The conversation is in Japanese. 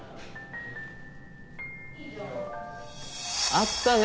あったね